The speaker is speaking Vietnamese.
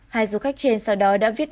hai du khách trên sau đó đã viết đơn